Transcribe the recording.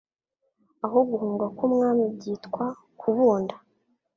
Aho Guhunga k'umwami byitwa kubunda